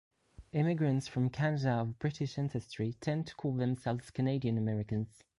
Immigrants from Canada of British ancestry tend to call themselves Canadian Americans.